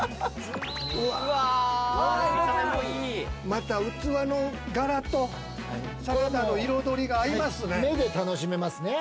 また器の柄とサラダの彩りが合いますね。